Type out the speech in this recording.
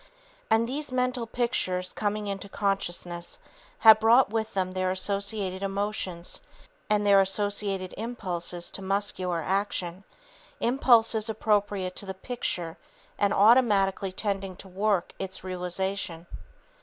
And these mental pictures coming into consciousness have brought with them their associated emotions and their associated impulses to muscular action, impulses appropriate to the picture and automatically tending to work its realization.